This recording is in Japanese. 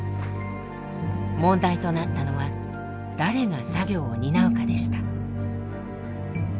問題となったのは誰が作業を担うかでした。